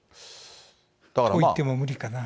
といっても無理かな。